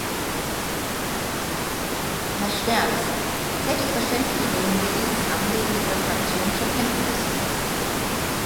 Herr Sterckx, selbstverständlich nehmen wir dieses Anliegen Ihrer Fraktion zur Kenntnis.